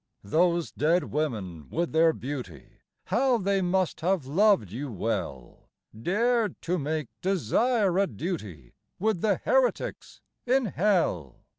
Those dead women with their beauty, How they must have loved you well, Dared to make desire a duty, With the heretics in hell!